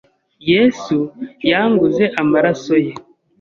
Yesu yanguze amaraso ye